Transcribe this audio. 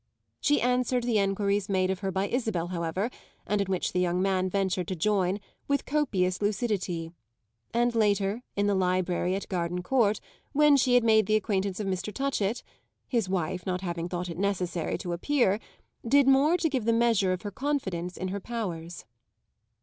She answered the enquiries made of her by Isabel, however, and in which the young man ventured to join, with copious lucidity; and later, in the library at Gardencourt, when she had made the acquaintance of Mr. Touchett (his wife not having thought it necessary to appear) did more to give the measure of her confidence in her powers.